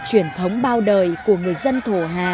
truyền thống bao đời của người dân thổ hà